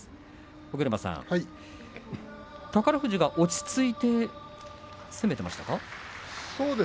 尾車さん、宝富士が落ち着いて攻めていましたか。